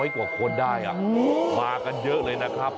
กว่าคนได้มากันเยอะเลยนะครับ